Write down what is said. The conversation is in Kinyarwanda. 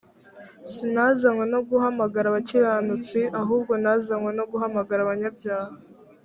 sinazanywe no guhamagara abakiranutsi ahubwo nazanywe no guhamagara abanyabyaha.